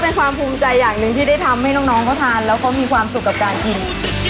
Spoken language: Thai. เป็นความภูมิใจอย่างหนึ่งที่ได้ทำให้น้องเขาทานแล้วเขามีความสุขกับการกิน